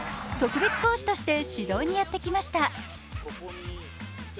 特別講師として指導にやってきました。